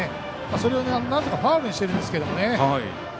それをなんとかファウルにしているんですけどね。